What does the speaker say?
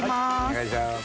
お願いします。